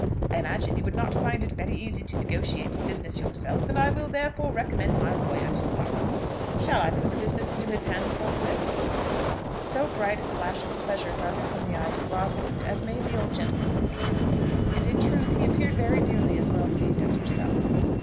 I imagine you would not find it very easy to negotiate the business yourself, and I will therefore recommend my lawyer to you. Shall I put the business into his hands forthwith?" So bright a flash of pleasure darted from the eyes of Rosalind, as made the old gentleman wink his own and, in truth, he appeared very nearly as well pleased as herself.